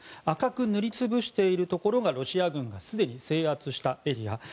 赤く塗り潰しているところがロシア軍がすでに制圧したエリア。